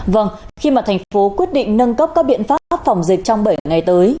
vâng khi mà thành phố quyết định nâng cấp các biện pháp phòng dịch trong bảy ngày tới